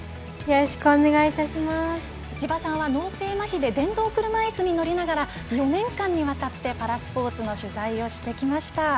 千葉さんは脳性まひで電動車いすに乗りながら４年間にわたってパラスポーツの取材をしてきました。